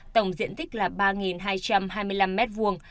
tổng diện tích là ba hai trăm hai mươi năm mét vuông